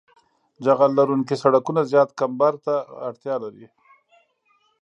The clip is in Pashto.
جغل لرونکي سرکونه زیات کمبر ته اړتیا لري